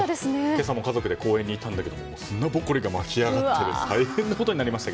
今朝も家族で公園に行ったんですけど砂ぼこりが巻き上がって大変なことになりました。